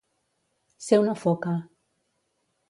Ser una foca.